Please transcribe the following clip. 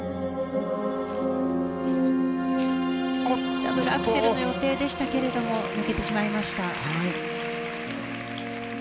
ダブルアクセルの予定でしたが抜けてしまいました。